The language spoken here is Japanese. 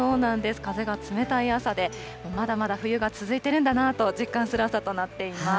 風が冷たい朝で、まだまだ冬が続いてるんだなと、実感する朝となっています。